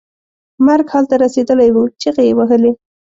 مرګ حال ته رسېدلی و چغې یې وهلې.